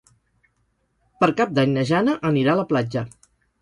Per Cap d'Any na Jana anirà a la platja.